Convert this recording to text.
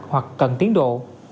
hoặc cần tiến độ